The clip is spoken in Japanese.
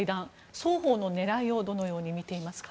双方の狙いをどのように見ていますか？